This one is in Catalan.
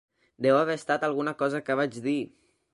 Deu haver estat alguna cosa que vaig dir!